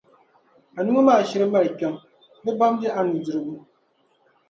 a nuu maa shiri mali kpiɔŋ, di bamdi a nudirigu.